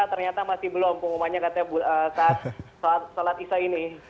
ternyata masih belum pengumumannya katanya saat salat isa ini